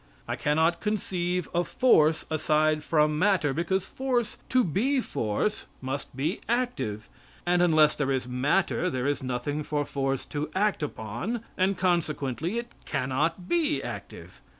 I cannot conceive of force aside from matter, because force to be force must be active, and unless there is matter there is nothing for force to act upon, and consequently it cannot be active.